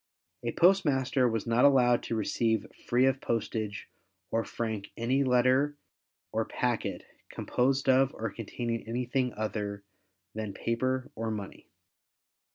A postmaster was not allowed to receive free of postage, or frank any letter or packet, composed of, or containing anything other than paper or money.